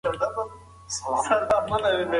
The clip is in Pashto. ستاسو روغتیا او خوشحالي زموږ لپاره تر هر څه مهمه ده.